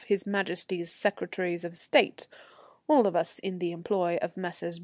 M. Secretaries of State. All of us in the employ of Messrs.